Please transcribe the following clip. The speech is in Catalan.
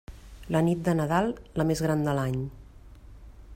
La nit de Nadal, la més gran de l'any.